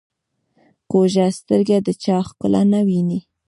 کوږه سترګه د چا ښکلا نه ویني